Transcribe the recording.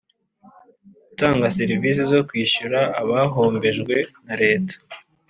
Utanga serivisi zo kwishyura abahombejwe na leta